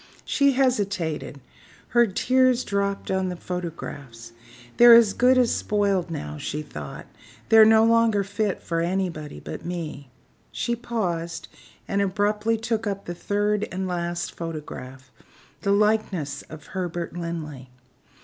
She hesitated; her tears dropped on the photographs. "They're as good as spoiled now," she thought; "they're no longer fit for anybody but me." She paused, and abruptly took up the third and last photograph the likeness of Herbert Linley.